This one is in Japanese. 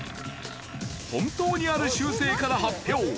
本当にある習性から発表。